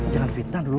jangan fitnah dulu